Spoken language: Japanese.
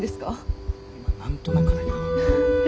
何となくだけど。